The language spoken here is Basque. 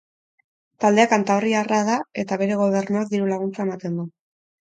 Taldea Kantabriarra da eta bere gobernuak diru laguntza ematen du.